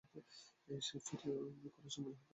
সে ফিরে আসতেই কুরাইশরা মুজাহিদদের উপর তীর বর্ষণ করতে থাকে।